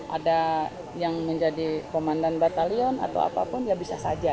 ada yang menjadi komandan batalion atau apapun ya bisa saja